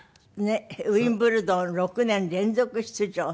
ウィンブルドン６年連続出場。